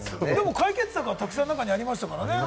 解決策はたくさん中にありましたからね。